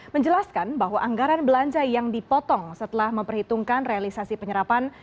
menjelaskan bahwa anggaran belanja yang dipotong setelah memperhitungkan realisasi penyerapan